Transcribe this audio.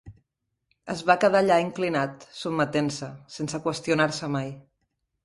Es va quedar allà inclinat, sotmetent-se, sense qüestionar-se mai.